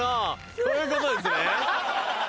そういうことですね？